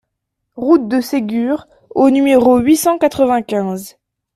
Route de Ségur au numéro huit cent quatre-vingt-quinze